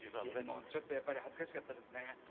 ちょっと恥ずかしかったですね。